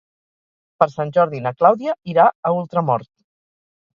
Per Sant Jordi na Clàudia irà a Ultramort.